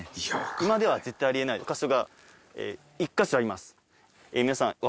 今では絶対あり得ない箇所が１カ所あります。